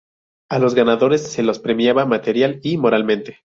A los ganadores se los premiaba material y moralmente.